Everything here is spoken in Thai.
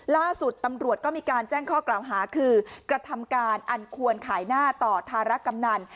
ล่าสุดตำรวจก็มีการแจ้งข้อกล่าวหาคือกระทำการอันควรขายหน้าต่อธารกำนัน